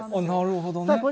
なるほどね。